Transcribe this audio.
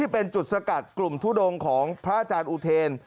เป็นจุดสกัดกลุ่มทุดงของพระอาจารย์อุเทน